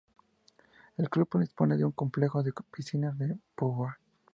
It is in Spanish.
El club dispone de un complejo de piscinas en Póvoa.